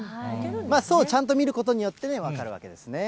そう、ちゃんと見ることによって分かるわけですね。